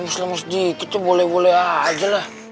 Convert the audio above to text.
lemes lemes dikit boleh boleh aja lah